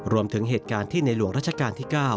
รวมถึงเหตุการณ์ที่ในหลวงรัชการที่๙